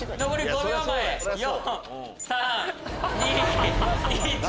５秒前４・３・２・１。